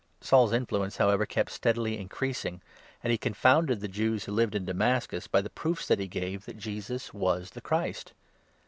" Saul's influence, however, kept steadily increasing, and he 22 confounded the Jews who lived in Damascus by the proofs that he gave that Jesus was the Christ.